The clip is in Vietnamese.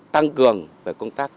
tăng cường về công tác